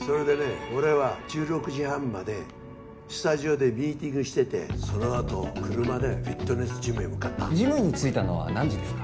俺は１６時半までスタジオでミーティングしててそのあと車でフィットネスジムへ向かったジムに着いたのは何時ですか？